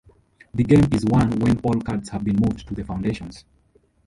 The game is won when all cards have been moved to the foundations.